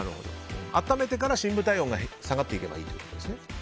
温めてから深部体温が下がっていけばいいということですね。